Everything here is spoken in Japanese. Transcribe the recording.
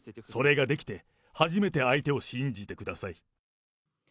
それができて、初めて相手を信じてください。